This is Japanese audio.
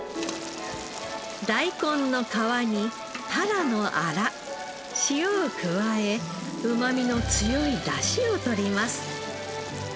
大根の皮にタラのアラ塩を加えうまみの強い出汁を取ります。